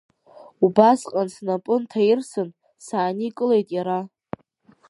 Убасҟан снапы нҭаирсын сааникылеит иара.